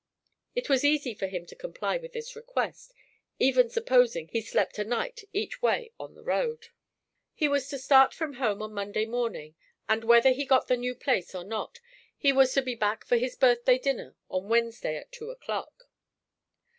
It was easy for him to comply with this request, even supposing he slept a night each way on the road. He was to start from home on Monday morning, and, whether he got the new place or not, he was to be back for his birthday dinner on Wednesday at two o'clock.